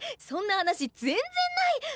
そんな話全然ない！